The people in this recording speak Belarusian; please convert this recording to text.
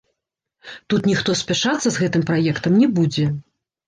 Тут ніхто спяшацца з гэтым праектам не будзе.